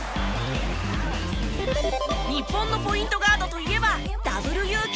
日本のポイントガードといえばＷユウキ。